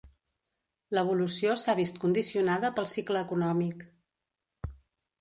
L'evolució s'ha vist condicionada pel cicle econòmic.